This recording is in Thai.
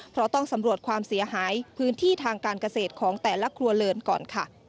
เพราะต้องสำรวจความเสียหายพื้นที่ทางการเกษตรของแต่ละครัวเรือนก่อนค่ะ